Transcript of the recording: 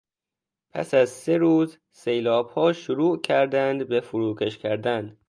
پس از سه روز سیلابها شروع کردند به فروکش کردن.